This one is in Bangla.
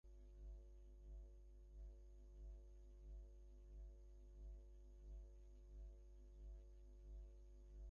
হরসুন্দরী নিবারণের এই বিষম বিপদগ্রস্ত ভাব দেখিয়া মনে মনে বড়ো আমোদ বোধ করিত।